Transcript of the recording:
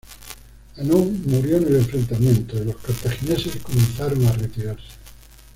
Hannón murió en el enfrentamiento, y los cartagineses comenzaron a retirarse.